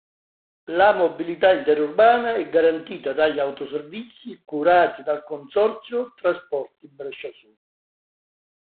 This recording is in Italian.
La mobilità interurbana è garantita dagli autoservizi curati dal consorzio Trasporti Brescia Sud.